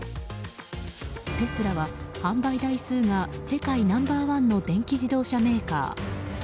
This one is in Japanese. テスラは販売台数が世界ナンバーワンの電気自動車メーカー。